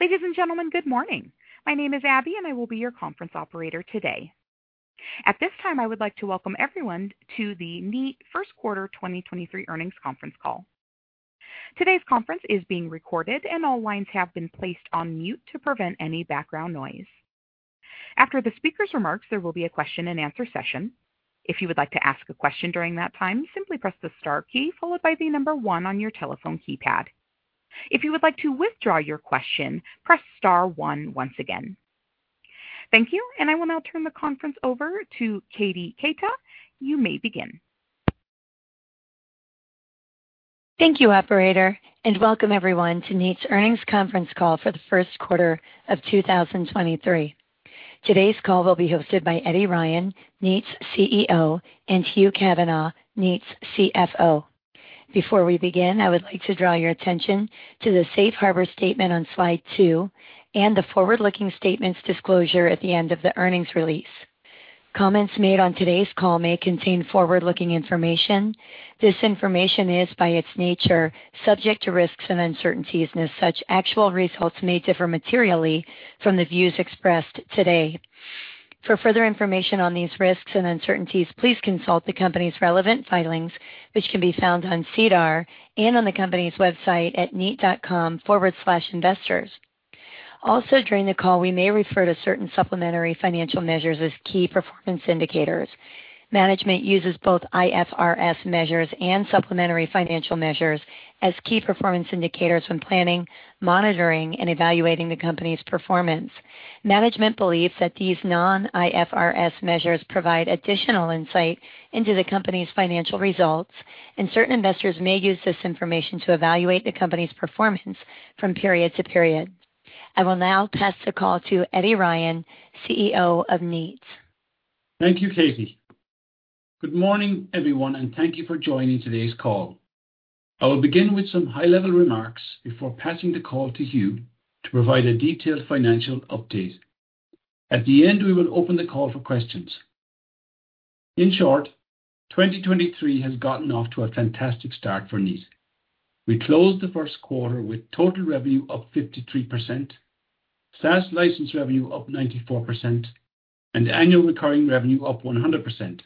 Ladies and gentlemen, good morning. My name is Abby, and I will be your conference operator today. At this time, I would like to welcome everyone to the Kneat First Quarter 2023 earnings conference call. Today's conference is being recorded and all lines have been placed on mute to prevent any background noise. After the speaker's remarks, there will be a question and answer session. If you would like to ask a question during that time, simply press the star key followed by the number one on your telephone keypad. If you would like to withdraw your question, press star one once again. Thank you, and I will now turn the conference over to Katie Keita. You may begin. Thank you, operator, and welcome everyone to Kneat's earnings conference call for the first quarter of 2023. Today's call will be hosted by Eddie Ryan, Kneat's CEO, and Hugh Kavanagh, Kneat's CFO. Before we begin, I would like to draw your attention to the Safe Harbor statement on slide two and the forward-looking statements disclosure at the end of the earnings release. Comments made on today's call may contain forward-looking information. This information is, by its nature, subject to risks and uncertainties, and as such, actual results may differ materially from the views expressed today. For further information on these risks and uncertainties, please consult the company's relevant filings, which can be found on SEDAR and on the company's website at Kneat.com/investors. Also, during the call, we may refer to certain supplementary financial measures as key performance indicators. Management uses both IFRS measures and supplementary financial measures as key performance indicators when planning, monitoring, and evaluating the company's performance. Management believes that these non-IFRS measures provide additional insight into the company's financial results, Certain investors may use this information to evaluate the company's performance from period to period. I will now pass the call to Eddie Ryan, CEO of Kneat. Thank you, Katie. Good morning, everyone, and thank you for joining today's call. I will begin with some high-level remarks before passing the call to Hugh to provide a detailed financial update. At the end, we will open the call for questions. In short, 2023 has gotten off to a fantastic start for Kneat. We closed the quarter with total revenue up 53%, SaaS license revenue up 94%, and annual recurring revenue up 100%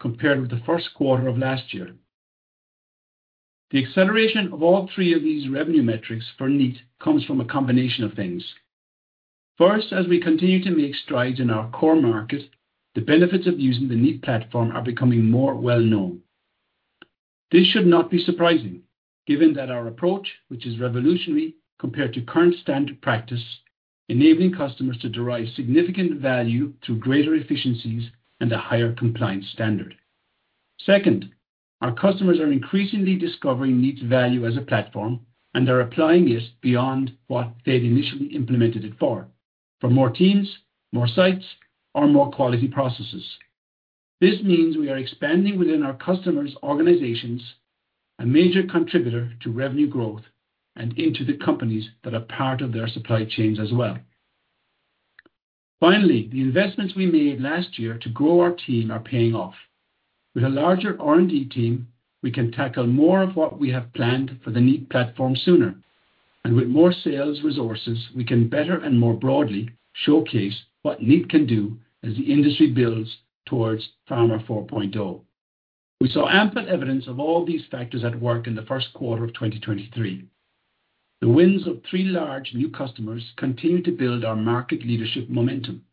compared with the first quarter of last year. The acceleration of all three of these revenue metrics for Kneat comes from a combination of things. First, as we continue to make strides in our core market, the benefits of using the Kneat platform are becoming more well-known. This should not be surprising given that our approach, which is revolutionary compared to current standard practice, enabling customers to derive significant value through greater efficiencies and a higher compliance standard. Second, our customers are increasingly discovering Kneat's value as a platform, and they're applying it beyond what they'd initially implemented it for more teams, more sites, or more quality processes. This means we are expanding within our customers' organizations, a major contributor to revenue growth and into the companies that are part of their supply chains as well. Finally, the investments we made last year to grow our team are paying off. With a larger R&D team, we can tackle more of what we have planned for the Kneat platform sooner. With more sales resources, we can better and more broadly showcase what Kneat can do as the industry builds towards Pharma 4.0. We saw ample evidence of all these factors at work in the first quarter of 2023. The wins of three large new customers continued to build our market leadership momentum.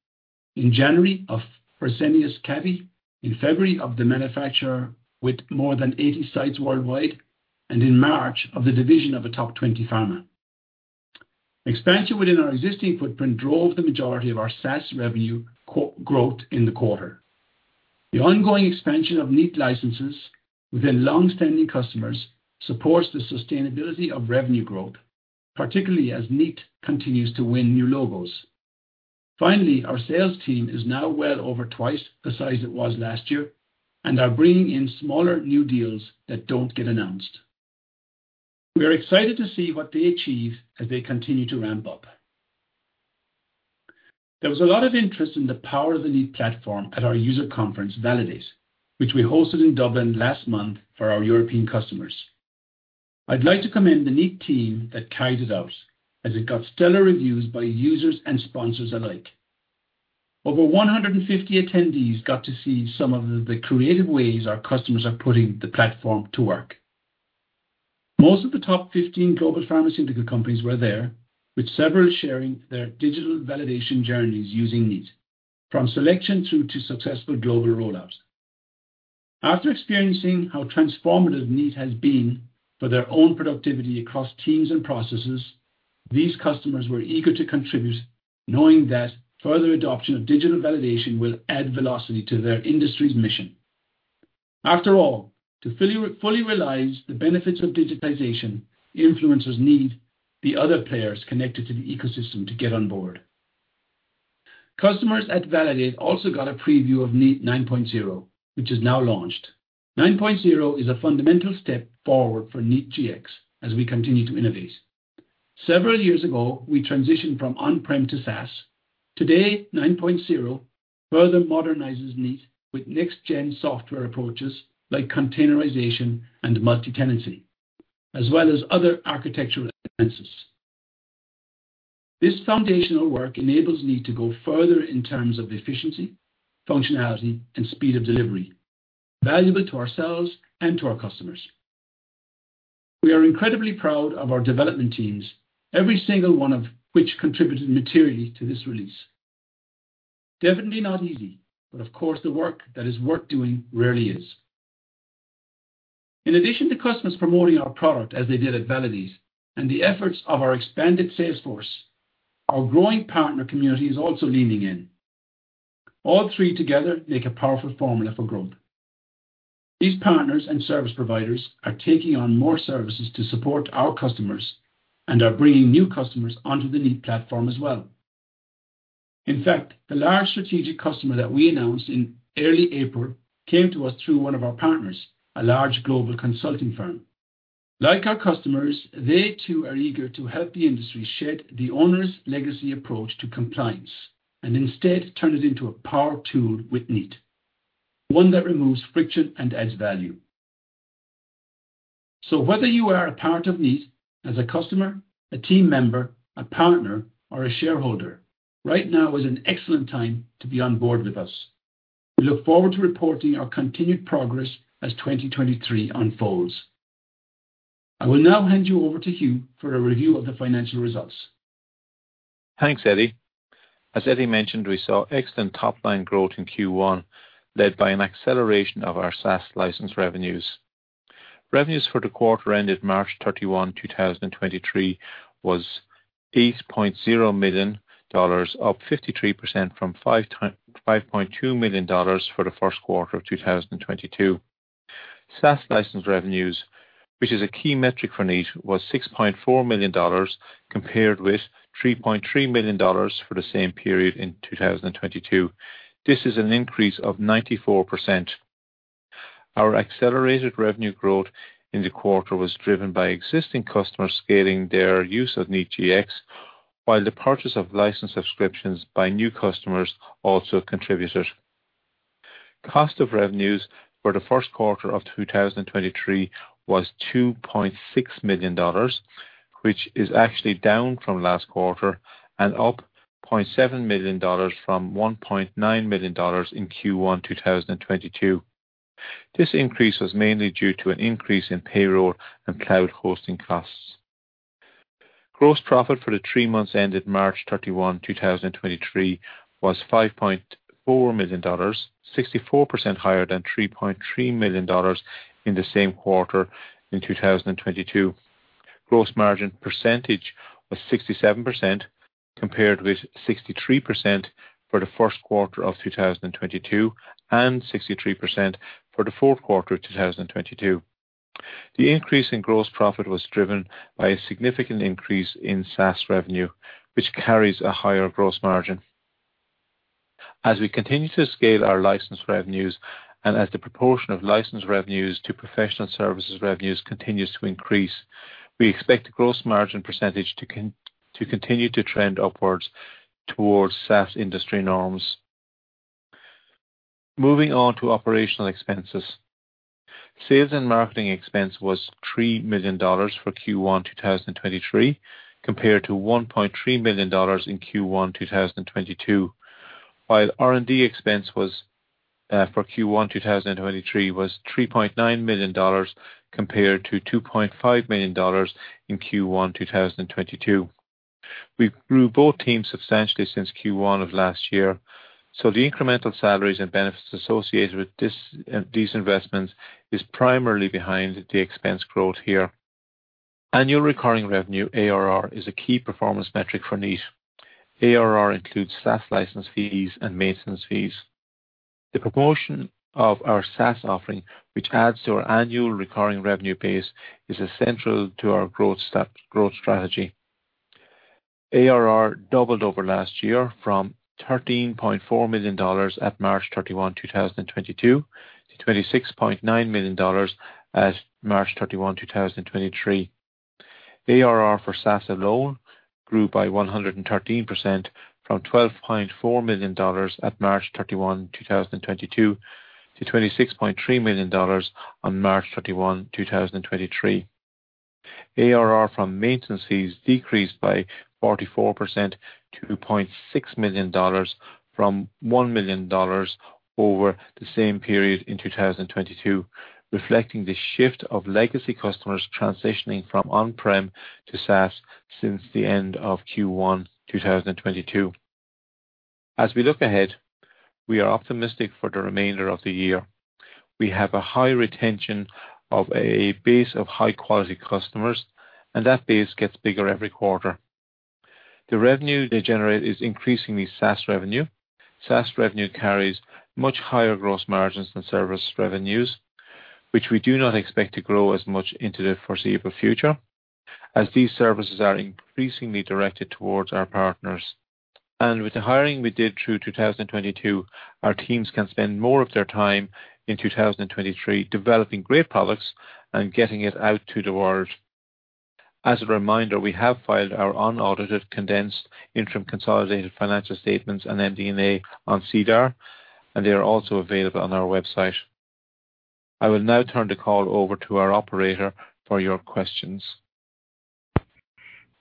In January of Fresenius Kabi, in February of the manufacturer with more than 80 sites worldwide, and in March of the division of a top 20 pharma. Expansion within our existing footprint drove the majority of our SaaS revenue growth in the quarter. The ongoing expansion of Kneat licenses within long-standing customers supports the sustainability of revenue growth, particularly as Kneat continues to win new logos. Finally, our sales team is now well over twice the size it was last year and are bringing in smaller new deals that don't get announced. We are excited to see what they achieve as they continue to ramp up. There was a lot of interest in the power of the Kneat platform at our user conference VALIDATE, which we hosted in Dublin last month for our European customers. I'd like to commend the Kneat team that carried it out as it got stellar reviews by users and sponsors alike. Over 150 attendees got to see some of the creative ways our customers are putting the platform to work. Most of the top 15 global pharmaceutical companies were there, with several sharing their digital validation journeys using Kneat, from selection through to successful global rollouts. After experiencing how transformative Kneat has been for their own productivity across teams and processes, these customers were eager to contribute, knowing that further adoption of digital validation will add velocity to their industry's mission. After all, to fully realize the benefits of digitization, influencers need the other players connected to the ecosystem to get on board. Customers at VALIDATE also got a preview of Kneat 9.0, which is now launched. 9.0 is a fundamental step forward for Kneat Gx as we continue to innovate. Several years ago, we transitioned from on-prem to SaaS. Today, 9.0 further modernizes Kneat with next-gen software approaches like containerization and multi-tenancy, as well as other architectural advances. This foundational work enables Kneat to go further in terms of efficiency, functionality and speed of delivery, valuable to ourselves and to our customers. We are incredibly proud of our development teams, every single one of which contributed materially to this release. Definitely not easy, of course the work that is worth doing rarely is. In addition to customers promoting our product as they did at VALIDATE and the efforts of our expanded sales force, our growing partner community is also leaning in. All three together make a powerful formula for growth. These partners and service providers are taking on more services to support our customers and are bringing new customers onto the Kneat platform as well. In fact, the large strategic customer that we announced in early April came to us through one of our partners, a large global consulting firm. Like our customers, they too are eager to help the industry shed the onerous legacy approach to compliance and instead turn it into a power tool with Kneat, one that removes friction and adds value. Whether you are a part of Kneat as a customer, a team member, a partner, or a shareholder, right now is an excellent time to be on board with us. We look forward to reporting our continued progress as 2023 unfolds. I will now hand you over to Hugh for a review of the financial results. Thanks, Eddie. As Eddie mentioned, we saw excellent top line growth in Q1, led by an acceleration of our SaaS license revenues. Revenues for the quarter ended March 31st, 2023 was $8.0 million, up 53% from $5.2 million for the first quarter of 2022. SaaS license revenues, which is a key metric for Kneat, was $6.4 million compared with $3.3 million for the same period in 2022. This is an increase of 94%. Our accelerated revenue growth in the quarter was driven by existing customers scaling their use of Kneat Gx, while the purchase of license subscriptions by new customers also contributed. Cost of revenues for the first quarter of 2023 was 2.6 million dollars, which is actually down from last quarter and up 0.7 million dollars from 1.9 million dollars in Q1 2022. This increase was mainly due to an increase in payroll and cloud hosting costs. Gross profit for the three months ended March 31st, 2023 was 5.4 million dollars, 64% higher than 3.3 million dollars in the same quarter in 2022. Gross margin percentage was 67% compared with 63% for the first quarter of 2022, and 63% for the fourth quarter of 2022. The increase in gross profit was driven by a significant increase in SaaS revenue, which carries a higher gross margin. As we continue to scale our license revenues and as the proportion of license revenues to professional services revenues continues to increase, we expect the gross margin percentage to continue to trend upwards towards SaaS industry norms. Moving on to operational expenses. Sales and marketing expense was 3 million dollars for Q1 2023, compared to 1.3 million dollars in Q1 2022. While R&D expense for Q1 2023 was 3.9 million dollars compared to 2.5 million dollars in Q1 2022. We grew both teams substantially since Q1 of last year, so the incremental salaries and benefits associated with these investments is primarily behind the expense growth here. Annual recurring revenue, ARR, is a key performance metric for Kneat. ARR includes SaaS license fees and maintenance fees. The proportion of our SaaS offering, which adds to our annual recurring revenue base, is essential to our growth strategy. ARR doubled over last year from $13.4 million at March 31, 2022, to $26.9 million at March 31st, 2023. ARR for SaaS alone grew by 113% from $12.4 million at March 31, 2022, to $26.3 million on March 31st, 2023. ARR from maintenance fees decreased by 44% to $2.6 million from $1 million over the same period in 2022, reflecting the shift of legacy customers transitioning from on-prem to SaaS since the end of Q1 2022. As we look ahead, we are optimistic for the remainder of the year. We have a high retention of a base of high quality customers, and that base gets bigger every quarter. The revenue they generate is increasingly SaaS revenue. SaaS revenue carries much higher gross margins than service revenues, which we do not expect to grow as much into the foreseeable future, as these services are increasingly directed towards our partners. With the hiring we did through 2022, our teams can spend more of their time in 2023 developing great products and getting it out to the world. As a reminder, we have filed our unaudited condensed interim consolidated financial statements and MD&A on SEDAR, and they are also available on our website. I will now turn the call over to our operator for your questions.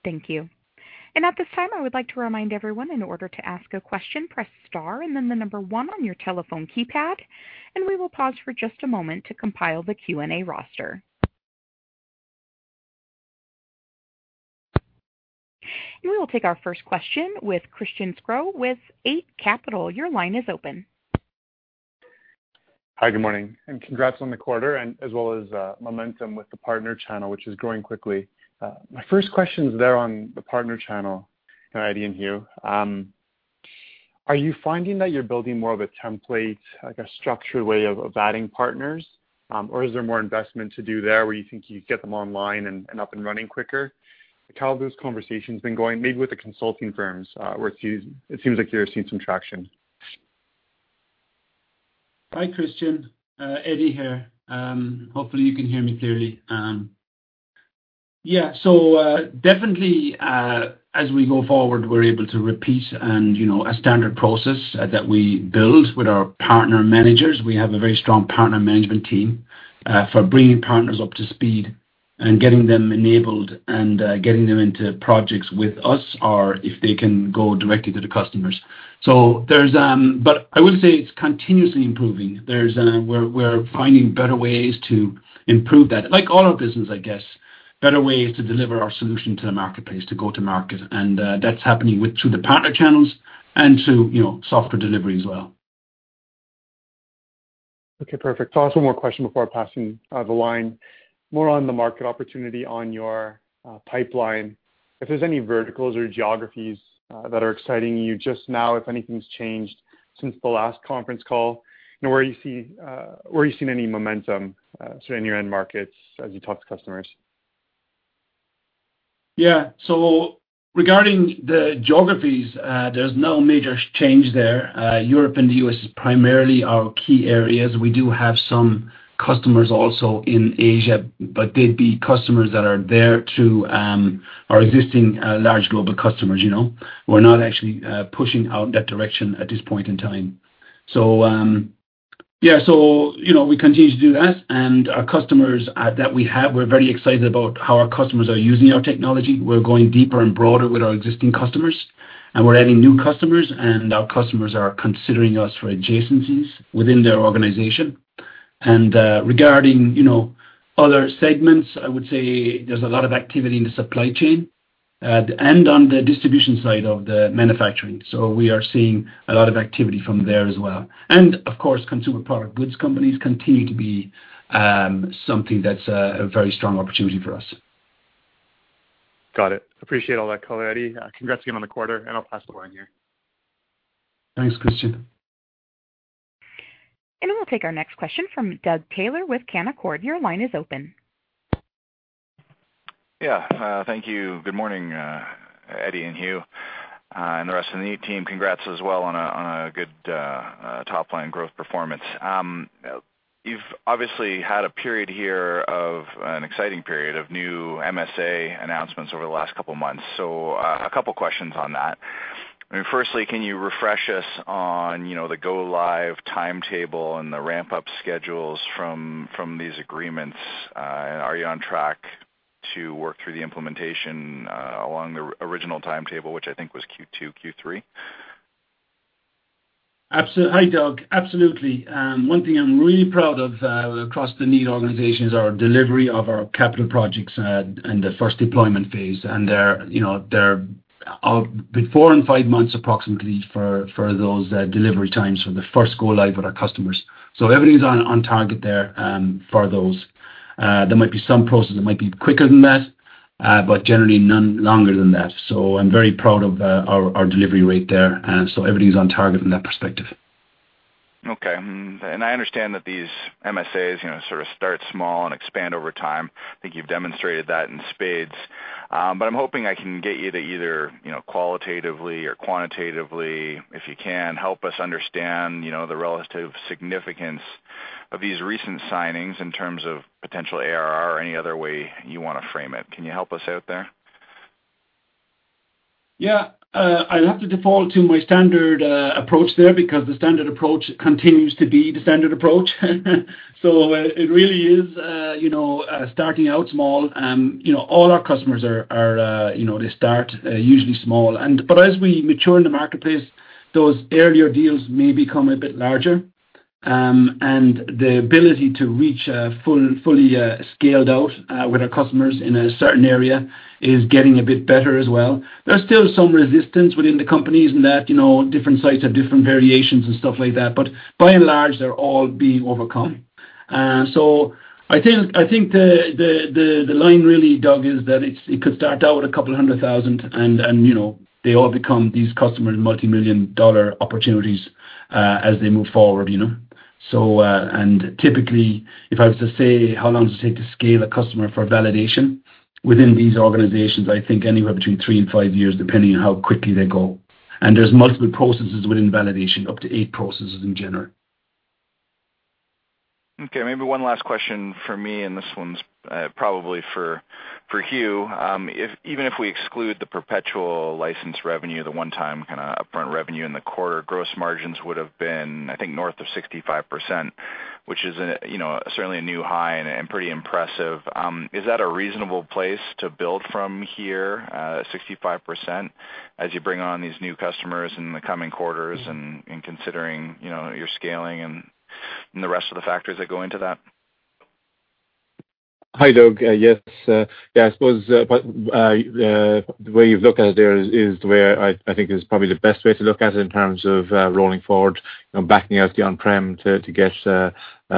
Thank you. At this time, I would like to remind everyone in order to ask a question, press star and then 1 on your telephone keypad, and we will pause for just a moment to compile the Q&A roster. We will take our first question with Christian Sgro with Eight Capital. Your line is open. Hi. Good morning, and congrats on the quarter and as well as, momentum with the partner channel, which is growing quickly. My first question is there on the partner channel, Eddie and Hugh. Are you finding that you're building more of a template, like, a structured way of adding partners? Or is there more investment to do there where you think you'd get them online and up and running quicker? How have those conversations been going maybe with the consulting firms, where it seems like you're seeing some traction? Hi, Christian. Eddie here. Hopefully you can hear me clearly. Definitely, as we go forward, we're able to repeat and, you know, a standard process that we build with our partner managers. We have a very strong partner management team for bringing partners up to speed and getting them enabled and getting them into projects with us or if they can go directly to the customers. There's. I will say it's continuously improving. There's. We're finding better ways to improve that. Like all our business, I guess, better ways to deliver our solution to the marketplace, to go to market and that's happening through the partner channels and to, you know, software delivery as well. Okay, perfect. I'll ask one more question before passing the line. More on the market opportunity on your pipeline. If there's any verticals or geographies that are exciting you just now, if anything's changed since the last conference call and where you see where you've seen any momentum in your end markets as you talk to customers? Regarding the geographies, there's no major change there. Europe and the U.S. is primarily our key areas. We do have some customers also in Asia, but they'd be customers that are there to our existing large global customers, you know. We're not actually pushing out that direction at this point in time. You know, we continue to do that. Our customers that we have, we're very excited about how our customers are using our technology. We're going deeper and broader with our existing customers, and we're adding new customers, and our customers are considering us for adjacencies within their organization. Regarding, you know, other segments, I would say there's a lot of activity in the supply chain and on the distribution side of the manufacturing. We are seeing a lot of activity from there as well. Of course, consumer product goods companies continue to be something that's a very strong opportunity for us. Got it. Appreciate all that color, Eddie. Congrats again on the quarter, and I'll pass the line here. Thanks, Christian. We'll take our next question from Doug Taylor with Canaccord. Your line is open. Yeah. Thank you. Good morning, Eddie and Hugh, and the rest of the team. Congrats as well on a good, top-line growth performance. You've obviously had a period here of an exciting period of new MSA announcements over the last couple of months. A couple of questions on that. I mean, firstly, can you refresh us on, you know, the go live timetable and the ramp-up schedules from these agreements? Are you on track to work through the implementation, along the original timetable, which I think was Q2, Q3? Hi, Doug. Absolutely. One thing I'm really proud of across the Kneat organization is our delivery of our capital projects and the first deployment phase. They're, you know, they're out between four months and five months approximately for those delivery times for the first go live with our customers. Everything's on target there for those. There might be some processes that might be quicker than that, but generally none longer than that. I'm very proud of our delivery rate there. Everything's on target from that perspective. Okay. I understand that these MSAs, you know, sort of start small and expand over time. I think you've demonstrated that in spades. But I'm hoping I can get you to either, you know, qualitatively or quantitatively, if you can, help us understand, you know, the relative significance of these recent signings in terms of potential ARR or any other way you wanna frame it. Can you help us out there? Yeah. I'll have to default to my standard approach there because the standard approach continues to be the standard approach. It really is, you know, starting out small. You know, all our customers are, you know, they start usually small. As we mature in the marketplace, those earlier deals may become a bit larger. The ability to reach, full, fully, scaled out, with our customers in a certain area is getting a bit better as well. There's still some resistance within the companies in that, you know, different sites have different variations and stuff like that, but by and large, they're all being overcome. I think, I think the, the line really, Doug, is that it could start out with 200,000 and, you know, they all become these customers multimillion-dollar opportunities, as they move forward, you know. Typically, if I was to say how long does it take to scale a customer for validation within these organizations? I think anywhere between three years and five years, depending on how quickly they go. There's multiple processes within validation, up to eight processes in general. Okay, maybe one last question for me, and this one's probably for Hugh. If even if we exclude the perpetual license revenue, the one-time kinda upfront revenue in the quarter, gross margins would have been, I think, north of 65%, which is, you know, certainly a new high and pretty impressive. Is that a reasonable place to build from here, 65% as you bring on these new customers in the coming quarters and considering, you know, your scaling and the rest of the factors that go into that? Hi, Doug. Yes. Yeah, I suppose, but the way you've looked at it there is the way I think is probably the best way to look at it in terms of rolling forward and backing out the on-prem to get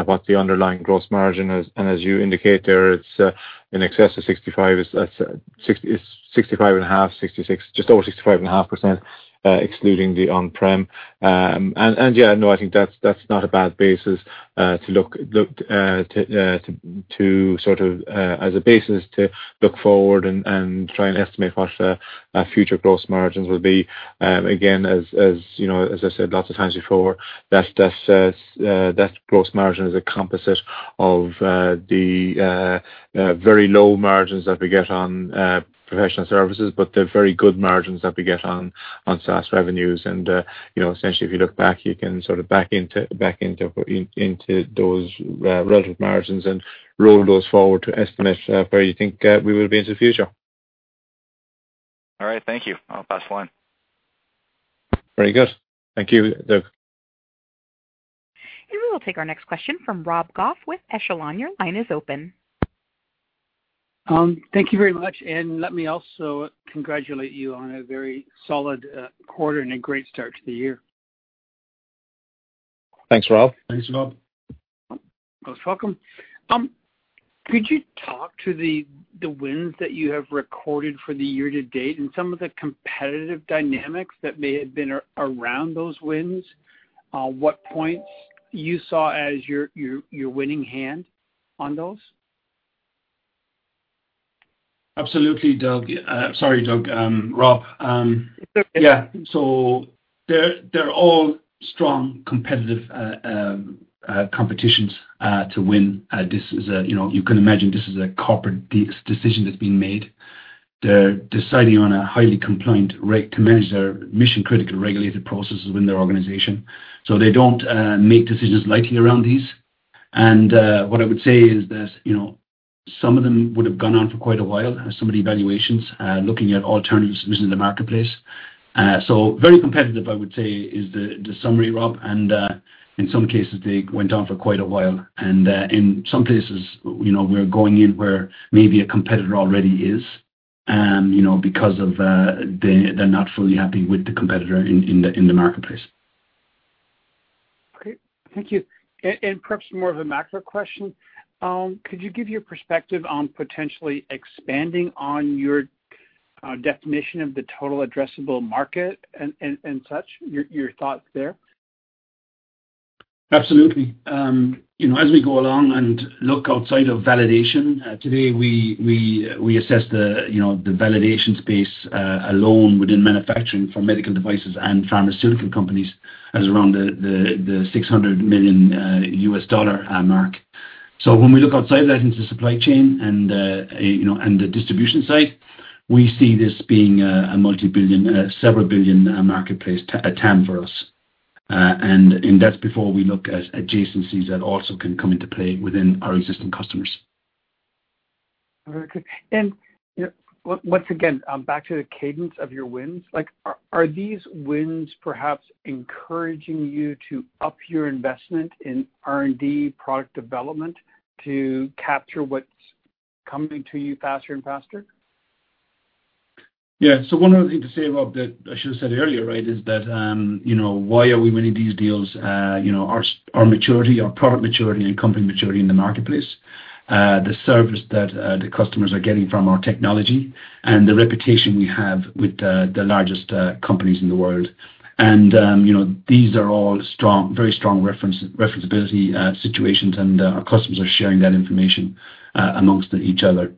what the underlying gross margin is. As you indicate there, it's in excess of 65. It's 65.5, 66, just over 65.5%, excluding the on-prem. Yeah, no, I think that's not a bad basis to look to sort of as a basis to look forward and try and estimate what future gross margins will be. Again, as, you know, as I said lots of times before, that's, that gross margin is a composite of, the, very low margins that we get on, professional services, but they're very good margins that we get on SaaS revenues. You know, essentially, if you look back, you can sort of back into those, relative margins and roll those forward to estimate, where you think, we will be into the future. All right. Thank you. I'll pass the line. Very good. Thank you, Doug. We will take our next question from Rob Goff with Echelon. Your line is open. Thank you very much, and let me also congratulate you on a very solid quarter and a great start to the year. Thanks, Rob. Thanks, Rob. Most welcome. Could you talk to the wins that you have recorded for the year to date and some of the competitive dynamics that may have been around those wins? What points you saw as your winning hand on those? Absolutely, Doug. Sorry, Doug. Rob. Yeah. They're, they're all strong competitive competitions to win. This is a, you know. You can imagine this is a corporate decision that's been made. They're deciding on a highly compliant rate to manage their mission-critical regulated processes within their organization. They don't make decisions lightly around these. What I would say is that, you know, some of them would have gone on for quite a while, some of the evaluations, looking at alternatives within the marketplace. Very competitive, I would say is the summary, Rob. In some cases, they went on for quite a while. In some cases, you know, we're going in where maybe a competitor already is, you know, because they're not fully happy with the competitor in the marketplace. Okay. Thank you. Perhaps more of a macro question. Could you give your perspective on potentially expanding on your definition of the total addressable market and such, your thoughts there? Absolutely. You know, as we go along and look outside of validation, today, we assess the, you know, the validation space alone within manufacturing for medical devices and pharmaceutical companies as around the $600 million mark. When we look outside that into the supply chain and, you know, and the distribution side, we see this being a multi-billion, several billion marketplace TAM for us. And that's before we look at adjacencies that also can come into play within our existing customers. Very good. You know, once again, back to the cadence of your wins. Like, are these wins perhaps encouraging you to up your investment in R&D product development to capture what's coming to you faster and faster? One other thing to say, Rob, that I should have said earlier, right, is that, you know, why are we winning these deals? You know, our maturity, our product maturity and company maturity in the marketplace, the service that the customers are getting from our technology and the reputation we have with the largest, companies in the world. You know, these are all strong, very strong reference, referencability, situations, and our customers are sharing that information amongst each other.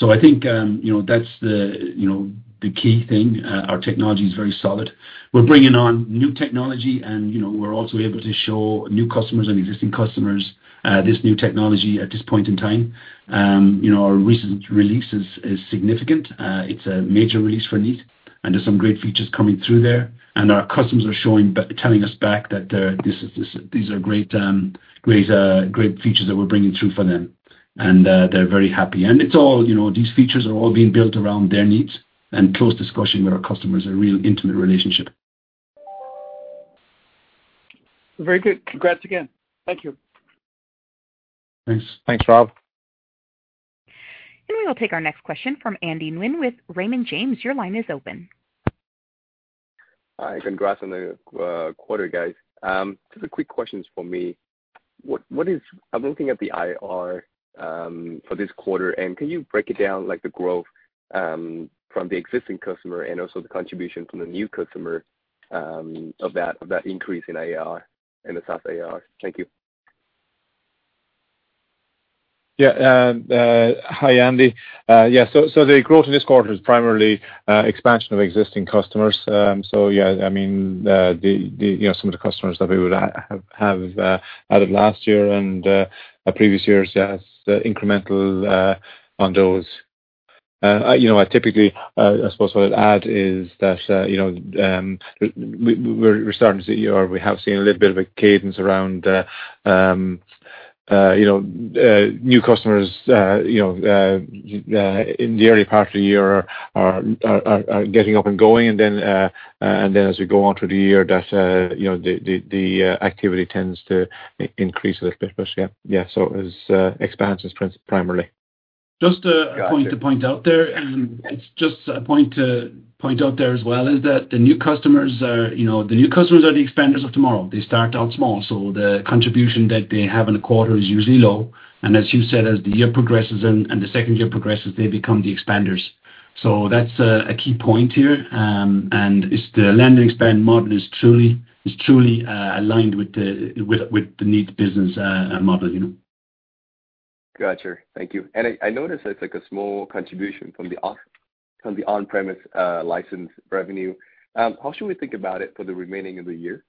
I think, you know, that's the, you know, the key thing. Our technology is very solid. We're bringing on new technology, and, you know, we're also able to show new customers and existing customers, this new technology at this point in time. You know, our recent release is significant. It's a major release for Kneat, and there's some great features coming through there. Our customers are showing telling us back that these are great features that we're bringing through for them. They're very happy. It's all, you know, these features are all being built around their needs and close discussion with our customers, a real intimate relationship. Very good. Congrats again. Thank you. Thanks. Thanks, Rob. We will take our next question from Andy Nguyen with Raymond James. Your line is open. Hi. Congrats on the quarter, guys. Just quick questions for me. I'm looking at the IR for this quarter, and can you break it down, like the growth from the existing customer and also the contribution from the new customer of that increase in AR and the SaaS AR? Thank you. Yeah. Hi, Andy. Yeah, so the growth in this quarter is primarily expansion of existing customers. Yeah, I mean, the, you know, some of the customers that we would have added last year and previous years as incremental on those. You know, I typically, I suppose what I'd add is that, you know, we're starting to see or we have seen a little bit of a cadence around, you know, new customers, you know, in the early part of the year are getting up and going. Then, as we go on through the year that, you know, the activity tends to increase a little bit. But yeah. It was, expansion is primarily. Just a point to point out there, and it's just a point to point out there as well, is that the new customers are, you know, the expanders of tomorrow. They start out small, so the contribution that they have in a quarter is usually low. As you said, as the year progresses and the second year progresses, they become the expanders. That's a key point here. It's the land and expand model is truly aligned with the Kneat business model, you know. Got you. Thank you. I noticed there's like a small contribution from the on-premise license revenue. How should we think about it for the remaining of the year?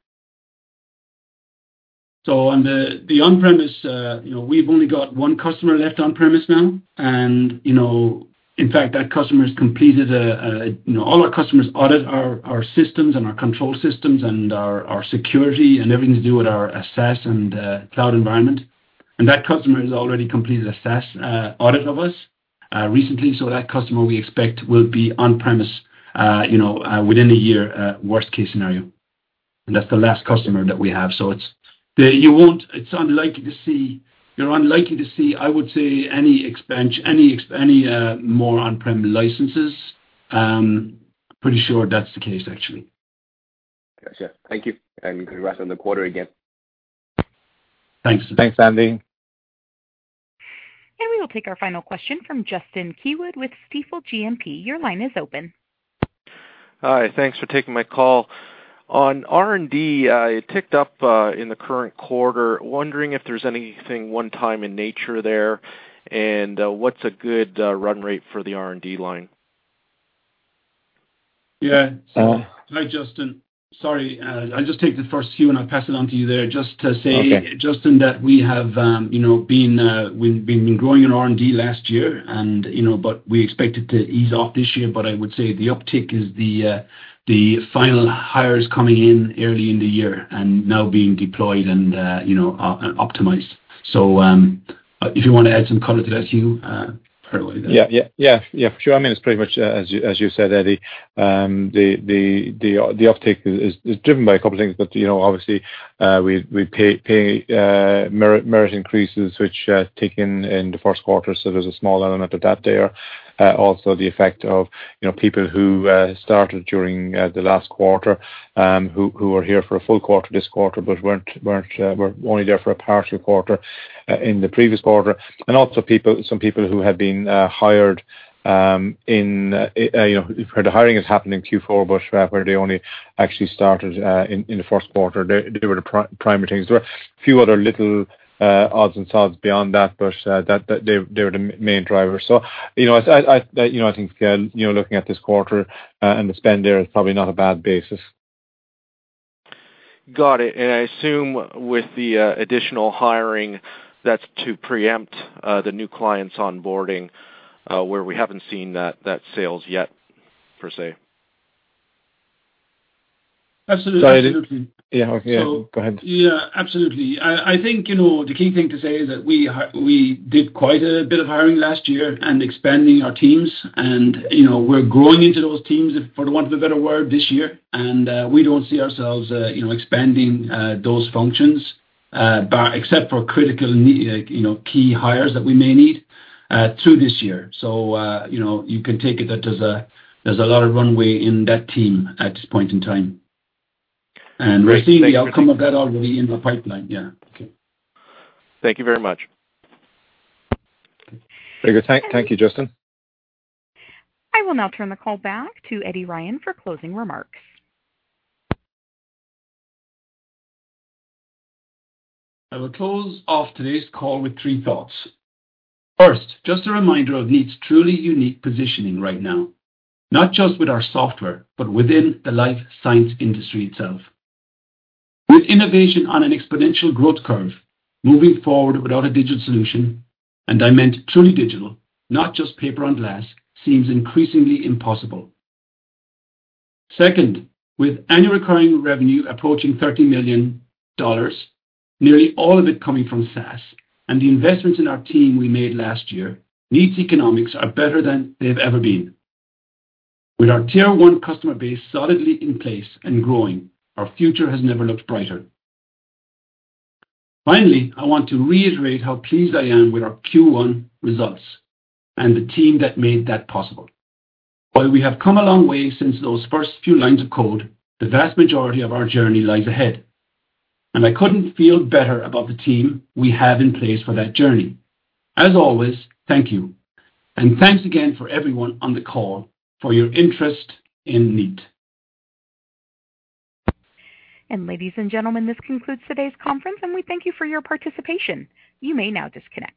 On the on-premise, you know, we've only got one customer left on-premise now. You know, in fact, that customer's completed. You know, all our customers audit our systems and our control systems and our security and everything to do with our SaaS and cloud environment. That customer has already completed a SaaS audit of us recently, that customer we expect will be on-premise, you know, within a year, worst case scenario. That's the last customer that we have. You're unlikely to see, I would say, any more on-prem licenses. Pretty sure that's the case actually. Got you. Thank you. Congrats on the quarter again. Thanks. Thanks, Andy. We will take our final question from Justin Keywood with Stifel GMP. Your line is open. Hi. Thanks for taking my call. On R&D, it ticked up in the current quarter. Wondering if there's anything one-time in nature there, and what's a good run rate for the R&D line? Yeah. Uh- Hi, Justin. Sorry, I'll just take the first cue, and I'll pass it on to you there just to say- Okay. Justin, that we have, you know, been, we've been growing in R&D last year and, you know, we expect it to ease off this year. I would say the uptick is the final hires coming in early in the year and now being deployed and, you know, optimized. If you wanna add some color to that, Hugh, go ahead. Yeah. Sure. I mean, it's pretty much as you said, Eddie. The uptick is driven by a couple things. You know, obviously, we pay merit increases, which tick in the first quarter, so there's a small element of that there. Also the effect of, you know, people who started during the last quarter, who are here for a full quarter this quarter but weren't, were only there for a partial quarter in the previous quarter. Also people, some people who have been hired, in, you know, where the hiring is happening in Q4, but where they only actually started in the first quarter. They were the primary things. There were few other little odds and sods beyond that, but that, they were the main drivers. You know, I, you know, I think, you know, looking at this quarter, and the spend there is probably not a bad basis. Got it. I assume with the additional hiring, that's to preempt the new clients onboarding, where we haven't seen that sales yet, per se. Absolutely. Yeah. Okay. So- Go ahead. Yeah, absolutely. I think, you know, the key thing to say is that we did quite a bit of hiring last year and expanding our teams and, you know, we're growing into those teams for want of a better word this year. We don't see ourselves, you know, expanding those functions, except for critical like you know, key hires that we may need through this year. You know, you can take it that there's a lot of runway in that team at this point in time. We're seeing the outcome of that already in the pipeline. Yeah. Okay. Thank you very much. Very good. Thank you, Justin. I will now turn the call back to Eddie Ryan for closing remarks. I will close off today's call with three thoughts. First, just a reminder of Kneat's truly unique positioning right now, not just with our software, but within the life science industry itself. With innovation on an exponential growth curve, moving forward without a digital solution, and I meant truly digital, not just paper on glass, seems increasingly impossible. Second, with annual recurring revenue approaching 30 million dollars, nearly all of it coming from SaaS, and the investments in our team we made last year, Kneat's economics are better than they've ever been. With our tier one customer base solidly in place and growing, our future has never looked brighter. Finally, I want to reiterate how pleased I am with our Q1 results and the team that made that possible. While we have come a long way since those first few lines of code, the vast majority of our journey lies ahead. I couldn't feel better about the team we have in place for that journey. As always, thank you. Thanks again for everyone on the call for your interest in Kneat. Ladies and gentlemen, this concludes today's conference, and we thank you for your participation. You may now disconnect.